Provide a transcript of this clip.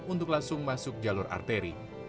untuk langsung masuk jalur arteri